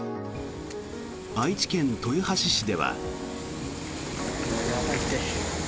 愛知県豊橋市では。